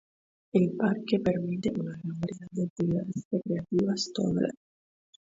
El parque permite una gran variedad de actividades recreativas todo el año.